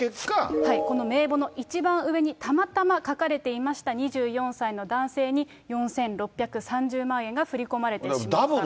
この名簿の一番上に、たまたま書かれていました２４歳の男性に、４６３０万円が振り込まれてしまった。